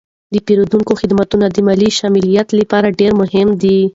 د پیرودونکو خدمتونه د مالي شمولیت لپاره ډیر مهم دي.